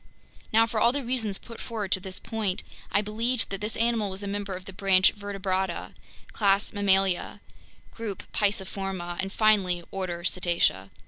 Now, for all the reasons put forward to this point, I believed that this animal was a member of the branch Vertebrata, class Mammalia, group Pisciforma, and finally, order Cetacea.